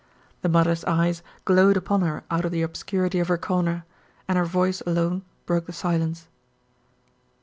The mother's eyes glowed upon her out of the obscurity of her corner, and her voice alone broke the silence.